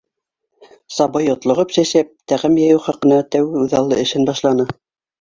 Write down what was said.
Сабый йотлоғоп-сәсәп тәғәм йыйыу хаҡына тәүге үҙаллы эшен башланы.